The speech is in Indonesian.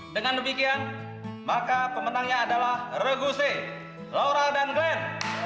dengan demikian maka pemenangnya adalah regu c laura dan glenn